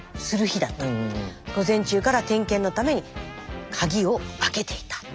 午前中から点検のために鍵を開けていた。